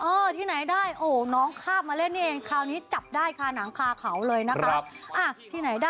เออที่ไหนได้น้องคาบมาเล่นนี่เองคราวนี้จับได้คะนางคาขาวเลยนะคะ